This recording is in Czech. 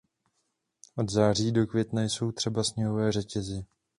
Od září do května jsou třeba sněhové řetězy.